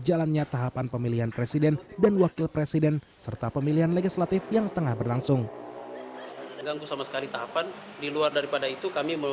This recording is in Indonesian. jangkauan pemilihan umum dan kemampuan pemilihan umum dan kemampuan pemilihan umum